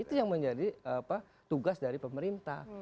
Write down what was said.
itu yang menjadi tugas dari pemerintah